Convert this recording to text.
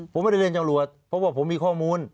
ผมไม่ได้เรียนจำรวจเพราะว่าผมมีข้อมูล